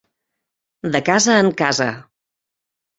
De casa en casa.